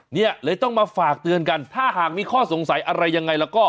เนี่ยเลยต้องมาฝากเตือนกันถ้าหากมีข้อสงสัยอะไรยังไงแล้วก็